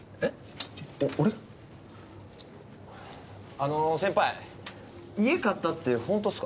あのー先輩家買ったってホントすか？